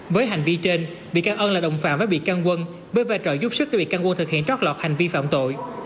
với hành vi trên vị can ơn là đồng phạm với vị can quân bởi vai trò giúp sức cho vị can quân thực hiện trót lọt hành vi phạm tội